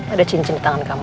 ada cincin di tangan kamu